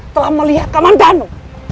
telah melihat kaman danu